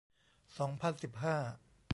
สองพันสิบห้า